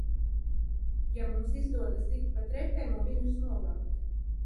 Ja mums izdodas tikt pa trepēm un viņus novākt?